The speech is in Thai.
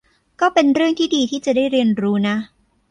ก็เป็นเรื่องที่ดีที่จะได้เรียนรู้นะ